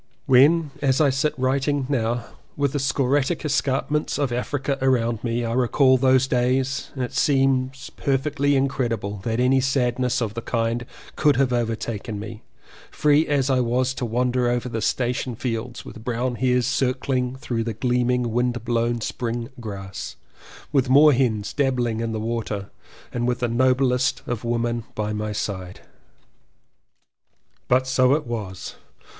When as I sit writing now, with the scoriae escarpments of Africa around me, I recall those days, it seems per fectly incredible that any sadness of the kind could have overtaken me, free as I was to wander over the station fields with brown hares circling through the gleaming windblown spring grass, with moor hens dabbling in the water and with the noblest of women by my side. But so it was.